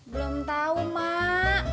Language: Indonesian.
belum tau mak